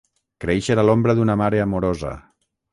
Créixer a l'ombra d'una mare amorosa.